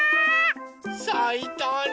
さいたね。